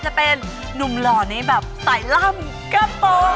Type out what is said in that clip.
จะเป็นนุ่มหล่อนี้แบบสายล่ำกระโปรง